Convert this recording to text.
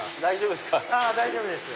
大丈夫ですか？